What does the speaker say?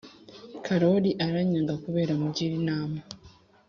karori aranyanga kubera mugira inama